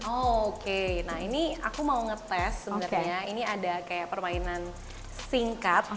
oh oke nah ini aku mau ngetes sebenarnya ini ada kayak permainan singkat